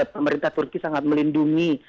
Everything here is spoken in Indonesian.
pemerintah turki sangat melindungi